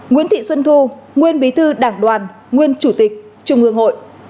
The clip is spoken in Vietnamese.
nguyễn thị xuân thu nguyên bí thư đảng đoàn nguyên chủ tịch trung ương hội